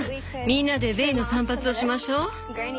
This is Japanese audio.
みんなでベイの散髪をしましょ。